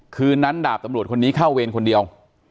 คืนนั้นดาบตำรวจคนนี้เข้าเวรคนเดียว